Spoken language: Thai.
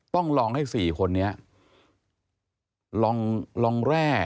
ต้องลองให้๔คนนี้ลองแร่